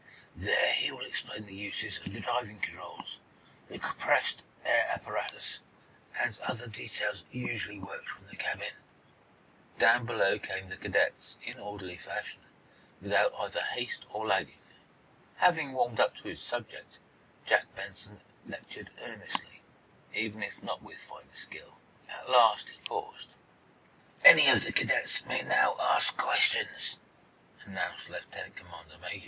There he will explain the uses of the diving controls, the compressed air apparatus, and other details usually worked from the cabin." Down below came the cadets, in orderly fashion, without either haste or lagging. Having warmed up to his subject, Jack Benson lectured earnestly, even if not with fine skill. At last he paused. "Any of the cadets may now ask questions," announced Lieutenant Commander Mayhew.